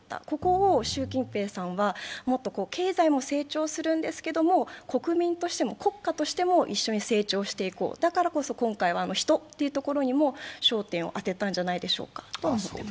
ここを習近平さんはもっと、経済も成長するんですけども、国民としても、国家としても一緒に成長していこう、だからこそ今回は人というところにも焦点を当てたんじゃないでしょうか。